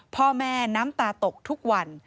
พ่อแม่น้ำตาตกทุกวัน